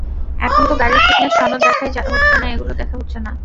এখন তো গাড়ির ফিটনেস সনদ দেখাই হচ্ছে না, এগুলো দেখা হচ্ছে না।